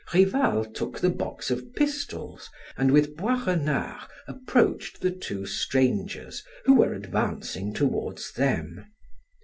Rival took the box of pistols, and with Boisrenard approached the two strangers, who were advancing toward them.